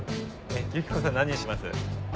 ユキコさん何にします？